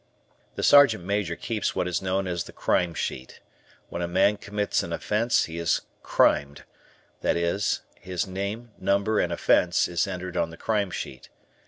The Sergeant Major keeps what is known as the Crime Sheet. When a man commits an offence, he is "Crimed," that is, his name, number, and offence is entered on the Crime Sheet.